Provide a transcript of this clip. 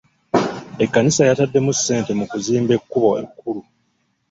Ekkanisa yataddemu ssente mu kuzimba ekkubo ekkulu.